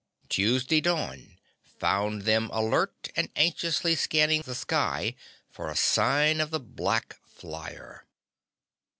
Tuesday dawn found them alert and anxiously scanning the sky for a sign of the black flyer.